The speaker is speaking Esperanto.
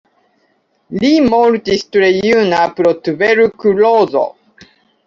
Li mortis tre juna pro tuberkulozo.